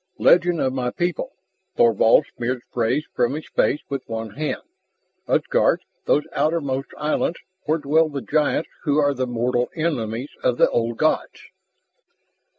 "Legend of my people." Thorvald smeared spray from his face with one hand. "Utgard, those outermost islands where dwell the giants who are the mortal enemies of the old gods."